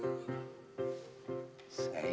sekarangnya ada tiga jam kemarin